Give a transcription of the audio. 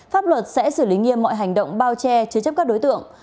pháp luật sẽ xử lý nghiêm mọi hành động bao che chế chấp các đối tượng